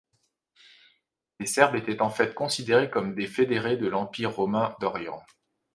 Les Serbes étaient en fait considérés comme des Fédérés de l'Empire romain d'Orient.